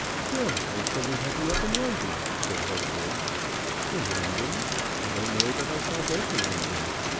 "Well, when shall we have you up in London?" said Harcourt. "In London! I don't know that I shall go to London.